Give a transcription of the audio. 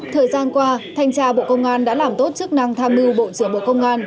thời gian qua thanh tra bộ công an đã làm tốt chức năng tham mưu bộ trưởng bộ công an